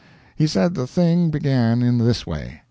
He said the thing began in this way.